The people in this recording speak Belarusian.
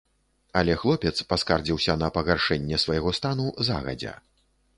Але хлопец паскардзіўся на пагаршэнне свайго стану загадзя.